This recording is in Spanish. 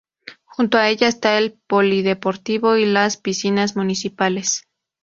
Junto a ella está el polideportivo y las piscinas municipales.